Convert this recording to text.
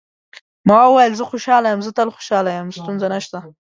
ما وویل: زه خوشاله یم، زه تل خوشاله یم، ستونزه نشته.